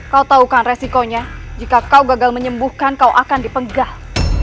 kau tahu kan resikonya jika kau gagal menyembuhkan kau akan dipegah